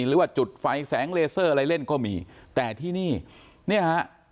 หรือว่าจุดไฟแสงเลเซอร์อะไรเล่นก็มีแต่ที่นี่เนี่ยฮะ